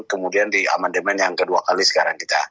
kemudian di amandemen yang kedua kali sekarang kita